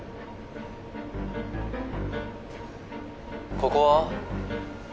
ここは？